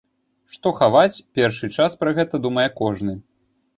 Што хаваць, першы час пра гэта думае кожны.